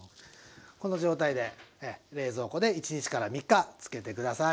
この状態で冷蔵庫で１３日漬けて下さい。